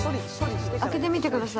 開けてみてください。